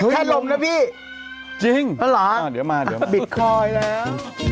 แค่ลมแล้วพี่หรอเดี๋ยวมาเดี๋ยวมาบิทคอยล์แล้ว